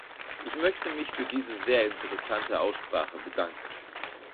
Ich möchte mich für diese sehr interessante Aussprache bedanken.